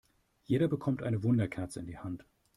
Jeder bekommt eine Wunderkerze in die Hand.